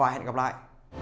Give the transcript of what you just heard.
hẹn gặp lại